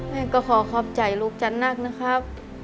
แม่ก็ขอขอบใจลูกจันนักนะครับ